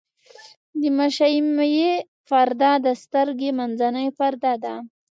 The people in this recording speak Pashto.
د مشیمیې پرده د سترګې منځنۍ پرده ده.